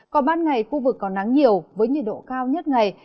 còn ban ngày khu vực còn nắng nhiều với nhiệt độ cao nhất ngày